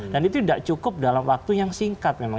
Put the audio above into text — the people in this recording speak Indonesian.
dan itu nggak cukup dalam waktu yang singkat memang